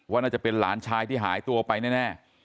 น่าจะเป็นหลานชายที่หายตัวไปแน่